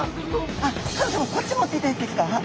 あっ香音さまこっち持っていただいていいですか？